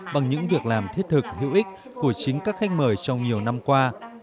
bằng những việc làm thiết thực hữu ích của chính các khách mời trong nhiều năm qua